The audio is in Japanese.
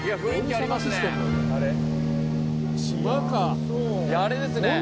あれですね